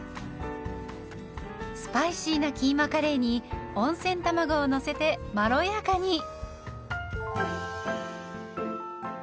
スパイシーなキーマカレーに温泉卵をのせてまろやかに。